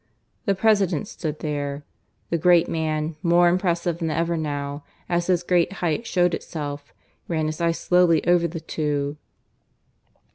The President stood there. The great man, more impressive than ever now, as his great height showed itself, ran his eyes slowly over the two.